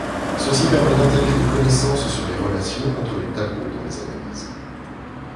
Ceci permet d'intégrer des connaissances sur les relations entre les tableaux dans les analyses.